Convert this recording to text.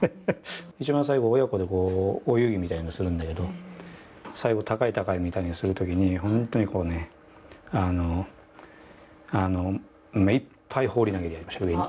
一番最後親子でお遊戯みたいなするんだけど最後高い高いみたいにするときに本当にこうねめいっぱい放り投げてやりました上に。